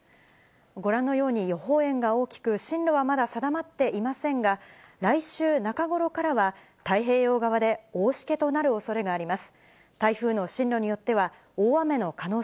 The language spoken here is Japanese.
ご覧のように予報円が大きく、進路はまだ定まっていませんが、来週中頃からは太平洋側で大しけとなるおそれがあります。